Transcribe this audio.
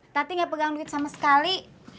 tati ga pegang duit sama sekali